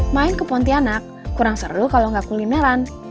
main ke pontianak kurang seru kalau nggak kulineran